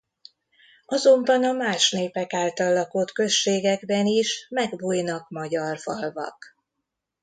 Azonban a más népek által lakott községekben is meg-megbújnak magyar falvak.